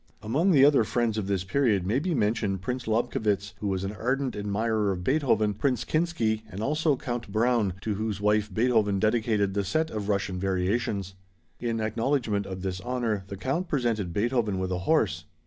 Among the other friends of this period may be mentioned Prince Lobkowitz, who was an ardent admirer of Beethoven, Prince Kinski, and also Count Browne to whose wife Beethoven dedicated the set of Russian variations. In acknowledgment of this honor, the Count presented Beethoven with a horse.